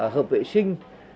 hợp vệ sinh